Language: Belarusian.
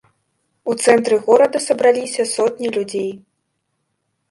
У цэнтры горада сабраліся сотні людзей.